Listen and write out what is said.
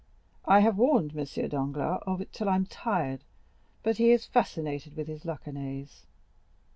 I have warned M. Danglars of it till I am tired, but he is fascinated with his Luccanese.